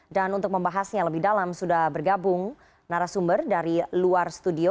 dan untuk membahasnya lebih dalam sudah bergabung narasumber dari luar studio